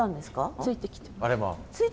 ついてきてます。